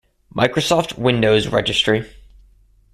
Microsoft Windows registry.